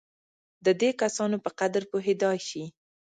د دې کسانو په قدر پوهېدای شي.